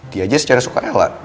dia aja secara suka ella